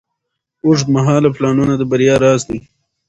اوږدمهاله پلانونه د بریا راز دی.